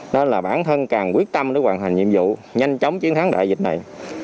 nên là bản thân càng quyết tâm để hoàn thành nhiệm vụ nhanh chóng chiến thắng đại dịch này